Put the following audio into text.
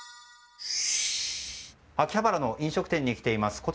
秋葉原の飲食店に来ています。